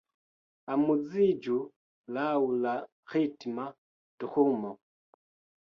Amuziĝu laŭ la ritma drumo